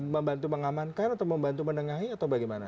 membantu mengamankan atau membantu menengahi atau bagaimana